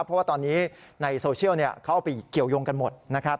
เพราะว่าตอนนี้ในโซเชียลเข้าไปเกี่ยวยงกันหมดนะครับ